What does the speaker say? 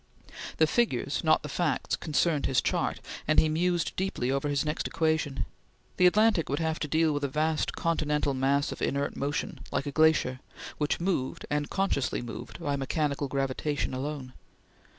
The figures, not the facts, concerned his chart, and he mused deeply over his next equation. The Atlantic would have to deal with a vast continental mass of inert motion, like a glacier, which moved, and consciously moved, by mechanical gravitation alone.